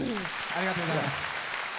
ありがとうございます。